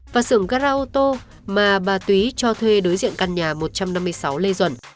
và xưởng gara ô tô mà bà túy cho thuê đối diện căn nhà một trăm năm mươi sáu lê duẩn